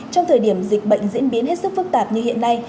trong thời điểm dịch bệnh diễn biến hết sức phức tạp như hiện nay